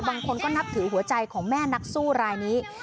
บางคนก็นับถือหัวใจของแม่นักสู้รายนี้